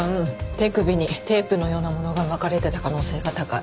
手首にテープのようなものが巻かれてた可能性が高い。